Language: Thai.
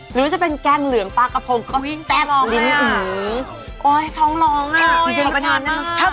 หรือจะเป็นแก้งเหลืองปลากระโพงก็อุ้ยลองเลยอ่ะอุ๋